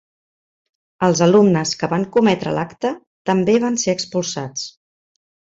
Els alumnes que van cometre l'acte també van ser expulsats.